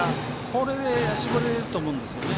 これで絞れると思うんですね。